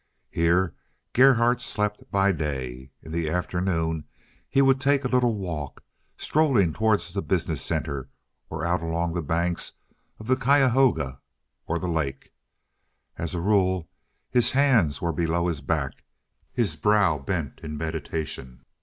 Here Gerhardt slept by day. In the afternoon he would take a little walk, strolling toward the business center, or out along the banks of the Cuyahoga, or the lake. As a rule his hands were below his back, his brow bent in meditation.